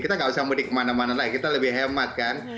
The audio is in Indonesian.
kita nggak usah mudik kemana mana lagi kita lebih hemat kan